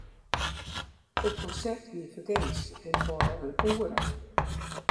It konsert wie fergees en duorre in oere.